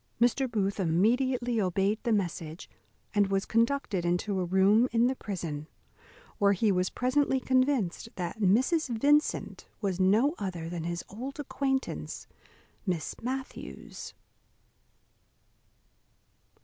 Mr. Booth immediately obeyed the message, and was conducted into a room in the prison, where he was presently convinced that Mrs. Vincent was no other than his old acquaintance Miss Matthews.